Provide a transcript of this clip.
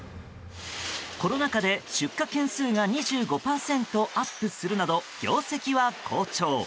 コロナ禍で出荷件数が２５％アップするなど業績は好調。